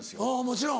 もちろん。